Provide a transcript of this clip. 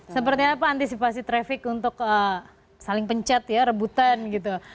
seperti apa antisipasi traffic untuk saling pencet ya rebutan gitu